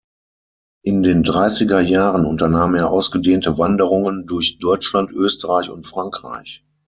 In den Dreissiger Jahren unternahm er ausgedehnte Wanderungen durch Deutschland, Österreich und Frankreich.